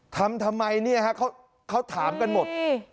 ทำทำไมเนี่ยฮะเขาถามกันหมด